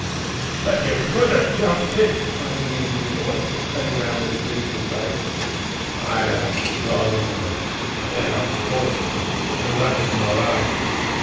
"But you have jumped it?" cried the Indian boy, turning round with a gleeful face. "Ay, lad, long ago, and then I was forced to, when runnin' for my life.